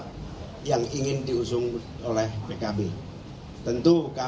dan saya juga ingin mengucapkan terima kasih kepada semua masyarakat yang telah menerima pendaftaran